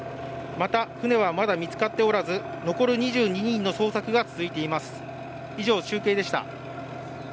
また、船はまだ見つかっておらず残る２２人の捜索が続いています。